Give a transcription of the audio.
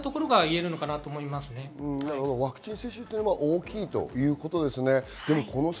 ワクチン接種が大きいということですね。